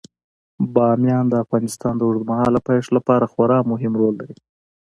بامیان د افغانستان د اوږدمهاله پایښت لپاره خورا مهم رول لري.